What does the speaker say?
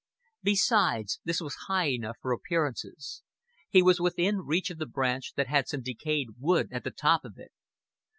Besides, this was high enough for appearances. He was within reach of the branch that had some decayed wood at the top of it.